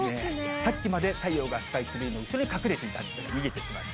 さっきまで太陽がスカイツリーの後ろに隠れていたんですが、見えてきました。